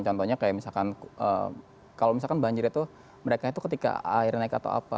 contohnya kayak misalkan kalau misalkan banjir itu mereka itu ketika air naik atau apa